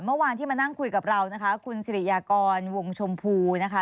เมื่อวานที่มานั่งคุยกับเรานะคะคุณสิริยากรวงชมพูนะคะ